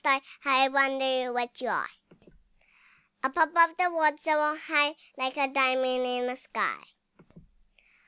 How I wonder what you are, Up above the world so high, Like a diamond in the sky.